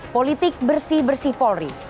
politik bersih bersih polri